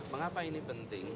mengapa ini penting